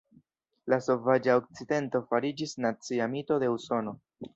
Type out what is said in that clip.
La "sovaĝa okcidento" fariĝis nacia mito de Usono.